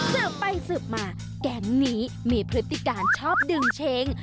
สืบไปสืบมาแก๊งนี้มีพฤติการชอบดึงเช้ง